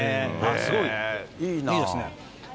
すごいいいですね。